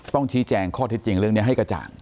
ต้องชี้แจงข้อเท็จจริงเรื่องนี้ให้กระจ่าง